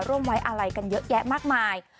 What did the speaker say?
ร่วมไว้อะไรกันเยอะแยะมากมาย